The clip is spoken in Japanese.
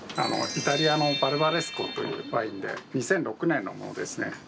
イタリアのバルバレスコというワインで２００６年のものですね。